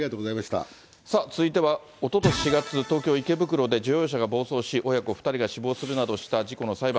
さあ、続いてはおととし４月、東京・池袋で乗用車が暴走し、親子２人が死亡するなどした事故の裁判。